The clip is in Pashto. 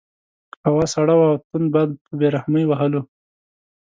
هوا سړه وه او تند باد په بې رحمۍ وهلو.